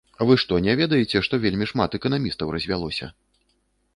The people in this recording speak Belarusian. Вы што, не ведаеце, што вельмі шмат эканамістаў развялося?